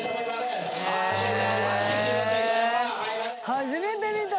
初めて見た。